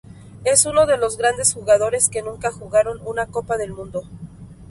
Es uno de los grandes jugadores que nunca jugaron una Copa del Mundo.